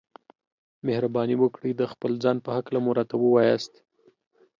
مهرباني وکړئ د خپل ځان په هکله مو راته ووياست.